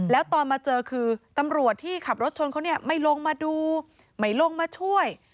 แล้วตอนมาเจอคือตำรวจที่ขับรถชนเขาเนี่ยไม่ลงมาดูไม่ลงมาช่วย